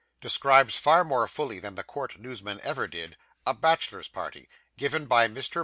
DESCRIBES, FAR MORE FULLY THAN THE COURT NEWSMAN EVER DID, A BACHELOR'S PARTY, GIVEN BY MR.